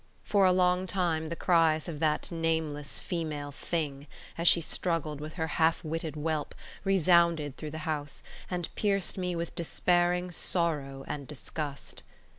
For a long time the cries of that nameless female thing, as she struggled with her half witted whelp, resounded through the house, and pierced me with despairing sorrow and disgust.